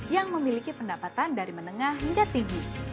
yang memiliki pendapatan dari menengah hingga tinggi